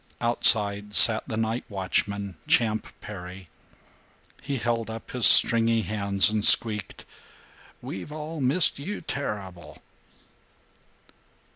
Outside sat the night watchman, Champ Perry. He held up his stringy hands and squeaked, "We've all missed you terrible."